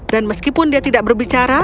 dan meskipun dia tidak berbicara